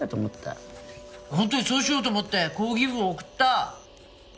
本当にそうしようと思って抗議文を送った！